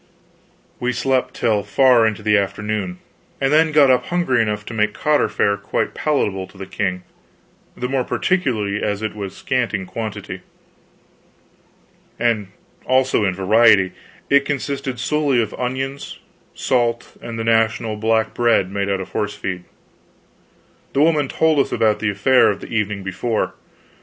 We slept till far into the afternoon, and then got up hungry enough to make cotter fare quite palatable to the king, the more particularly as it was scant in quantity. And also in variety; it consisted solely of onions, salt, and the national black bread made out of horse feed. The woman told us about the affair of the evening before.